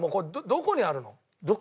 「どこにあるの」？